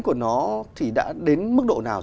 của nó thì đã đến mức độ nào